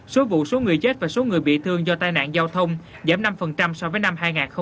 số vụ số người chết và số người bị thương do tai nạn giao thông giảm năm so với năm hai nghìn một mươi tám